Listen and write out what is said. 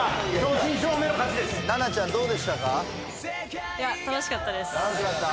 心茜ちゃんどうでした？